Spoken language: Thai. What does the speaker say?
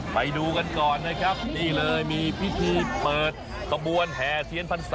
ไปดูกันก่อนนะครับนี่เลยมีพิธีเปิดขบวนแห่เทียนพรรษา